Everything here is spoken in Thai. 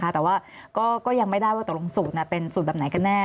แต่ว่าก็ยังไม่ได้ว่าตกลงสูตรเป็นสูตรแบบไหนกันแน่